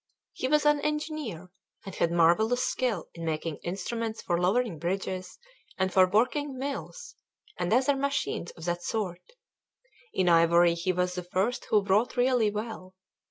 He was an engineer, and had marvellous skill in making instruments for lowering bridges and for working mills, and other machines of that sort. In ivory he was the first who wrought really well.